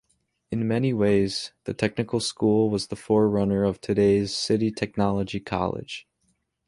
In many ways, the technical school was the forerunner of today's City Technology College.